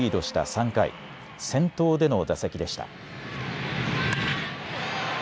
３回先頭での打席でした。